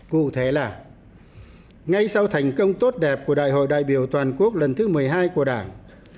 cụ thể là ngay sau thành công tốt đẹp của đại hội đại biểu toàn quốc lần thứ một mươi hai của đảng